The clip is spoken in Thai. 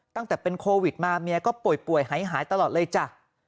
ตั้งแต่เป็นโควิดมาเมียก็ป่วยหายตลอดเลยจ้ะ